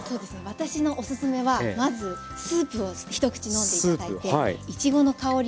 私のおすすめはまずスープを一口飲んで頂いていちごの香りを楽しんで下さい。